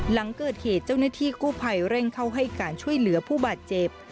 หลังเกิดเหตุเจ้าหน้าที่กู้ภัยเร่งเข้าให้การช่วยเหลือผู้บาดเจ็บ